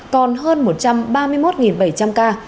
còn hơn một trăm ba mươi một bảy trăm linh ca